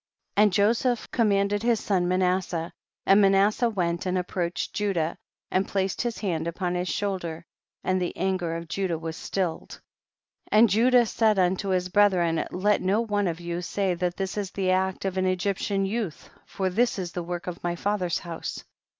53. And Joseph commanded his son Manasseh, and Manasseh went and approached Judah, and placed his hand upon his shoulder, and the anger of Judah was stilled. 54. And Judah said unto his brethren, let no one of you say that this is the act of an Egyptian youth for this is the work of my father's house.